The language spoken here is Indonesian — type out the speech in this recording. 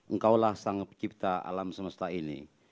engkaulah sang pencipta alam semesta ini